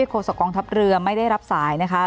โศกองทัพเรือไม่ได้รับสายนะคะ